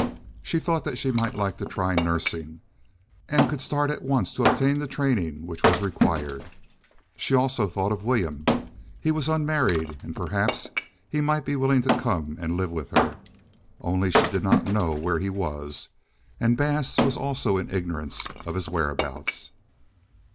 She thought that she might like to try nursing, and could start at once to obtain the training which was required. She also thought of William. He was unmarried, and perhaps he might be willing to come and live with her. Only she did not know where he was, and Bass was also in ignorance of his whereabouts.